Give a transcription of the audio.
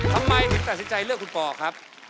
ทำไมถึงตัดสินใจเลือกคุณปอครับ